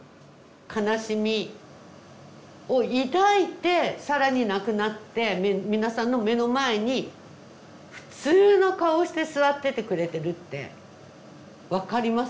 悲しみを抱いて更に亡くなって皆さんの目の前に普通の顔をして座っててくれてるって分かります？